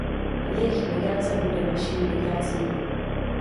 Jejich migrace bude naší migrací.